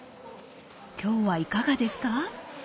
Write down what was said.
［今日はいかがですか？］